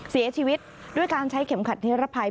เสียชีวิตด้วยการใช้เข็มขัดนิรภัย